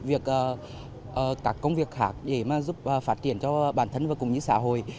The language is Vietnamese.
việc các công việc khác để mà giúp phát triển cho bản thân và cùng những xã hội